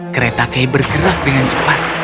kereta kay bergerak dengan cepat